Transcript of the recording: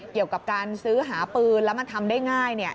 เกี่ยวกับการซื้อหาปืนแล้วมันทำได้ง่าย